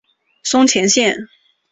松前线。